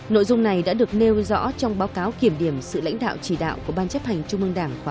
nội dung này đã được nêu rõ trong báo cáo kiểm điểm sự lãnh đạo chỉ đạo của ban chấp hành trung ương đảng khóa một mươi